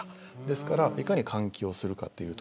ですから、いかに換気をするか。